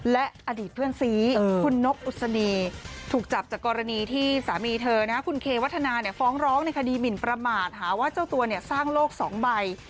และอดีตเพื่อนซีคุณนกอุศนีถูกจับจากกรณีที่สามีเธอคุณเควัฒนาฟ้องร้องในคดีหมินประมาทหาว่าเจ้าตัวสร้างโลก๒ใบ